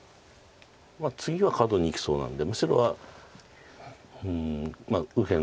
まあ次はカドにいきそうなんで白は右辺